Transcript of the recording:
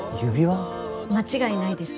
間違いないです。